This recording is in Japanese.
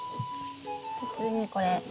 普通にこれ。